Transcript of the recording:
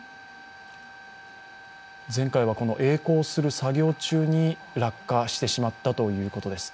前回はえい航する作業中に落下してしまったということです。